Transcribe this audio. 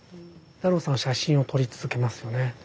太郎さんは写真を撮り続けますよね。